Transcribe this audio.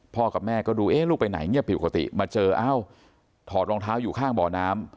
กับแม่ก็ดูเอ๊ะลูกไปไหนเงียบผิดปกติมาเจอเอ้าถอดรองเท้าอยู่ข้างบ่อน้ำ